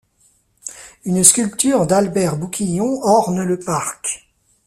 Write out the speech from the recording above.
Une sculpture d'Albert Bouquillon orne le parc.